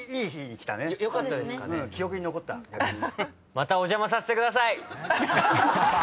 またお邪魔させてください！